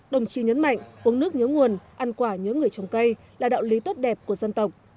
đồng chí nhấn mạnh uống nước nhớ nguồn ăn quả nhớ người trồng cây là đạo lý tốt đẹp của dân tộc